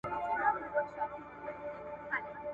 هیلې راغلې تر کشپه ویل یاره ..